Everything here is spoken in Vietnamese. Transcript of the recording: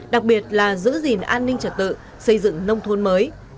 đặc biệt là giữ gìn an ninh trật tự xây dựng nông thôn mới